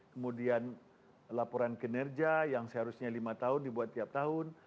kemudian laporan kinerja yang seharusnya lima tahun dibuat tiap tahun